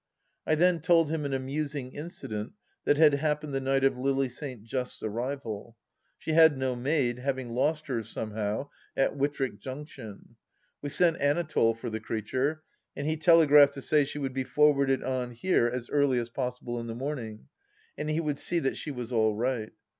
I then told him an amusing incident that had happened the night of Lily St. Just's arrival. She had no maid, having lost hers, somehow, at Whittrick Junction, We sent Anatole for the creature, and he telegraphed to say she would be forwarded on here as early as possible in the morning, and he would see that she was all right.